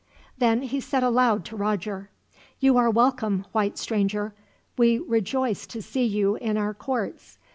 Then he said aloud to Roger: "You are welcome, white stranger. We rejoice to see you in our courts.